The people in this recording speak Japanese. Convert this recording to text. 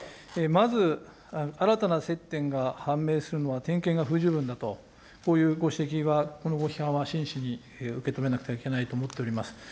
まず、新たな接点が判明するのは点検が不十分だと、こういうご指摘は、このご批判は真摯に受け止めなくてはいけないと思っております。